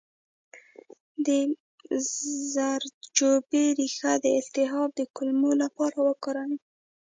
د زردچوبې ریښه د التهاب د کمولو لپاره وکاروئ